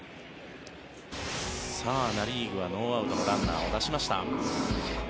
ナ・リーグはノーアウトでランナーを出しました。